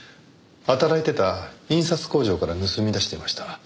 働いてた印刷工場から盗み出していました。